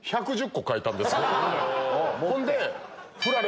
ほんで。